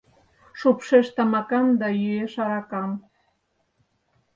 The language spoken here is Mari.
Шупшеш тамакам да йӱэш аракам.